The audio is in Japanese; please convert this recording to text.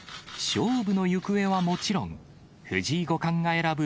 勝負の行方はもちろん、藤井五冠が選ぶ